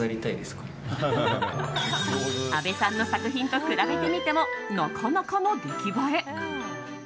安部さんの作品と比べてみてもなかなかの出来栄え。